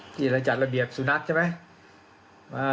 ที่เราจัดระเบียบสุนัขใช่ไหม